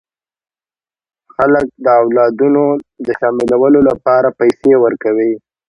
خلک د اولادونو د شاملولو لپاره پیسې ورکوي.